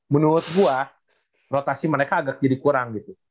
menurut gue rotasi mereka agak jadi kurang gitu